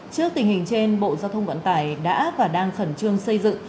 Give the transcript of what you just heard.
trước tình hình trên bộ giao thông vận tải đã và đang khẩn trương xây dựng